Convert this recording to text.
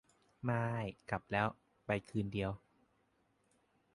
ม่าย กลับแล้ว ไปคืนเดียว